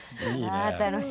あ楽しい。